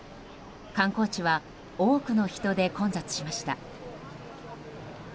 観光地は多くの人で混雑しました。